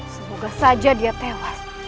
semoga saja dia tewas